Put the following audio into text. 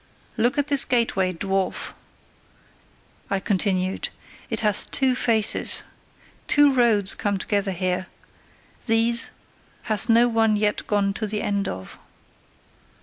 "Look at this gateway! Dwarf!" I continued, "it hath two faces. Two roads come together here: these hath no one yet gone to the end of.